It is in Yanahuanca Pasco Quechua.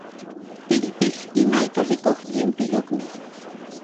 pillpish imayka rikuq llimpiyuqmi.